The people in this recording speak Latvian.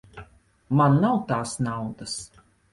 Man nav tās naudas.